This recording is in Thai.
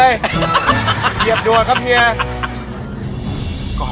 เกี๊ยบด่วนครับเภย